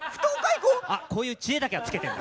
あこういう知恵だけはつけてんだ。